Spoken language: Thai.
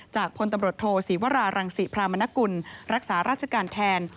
จากพลตำรวจโทษีวระรังศรีพรามาณกุลรักษารักษการแทน